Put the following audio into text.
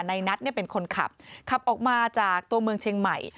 ในนัทเป็นคนขับขับออกมาจากตัวเมืองเชียงใหม่